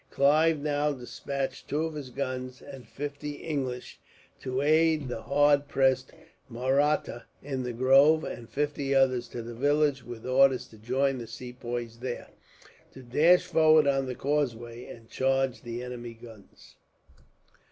Clive now despatched two of his guns, and fifty English, to aid the hard pressed Mahrattas in the grove; and fifty others to the village, with orders to join the Sepoys there, to dash forward on to the causeway, and charge the enemy's guns.